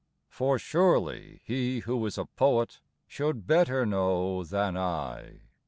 For surely he who is a poet Should better know than I.